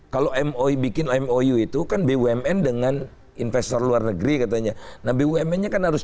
kalau mou bikin mou itu kan bumn dengan investor luar negeri katanya nah bumn nya kan harus